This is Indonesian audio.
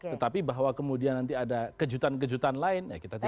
tetapi bahwa kemudian nanti ada kejutan kejutan lain ya kita tidak tahu